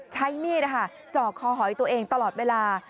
ใช้มีดจ่อคอหอยตัวเองตลอดเวลา